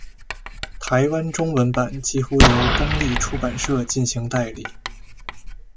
台湾中文版几乎由东立出版社进行代理。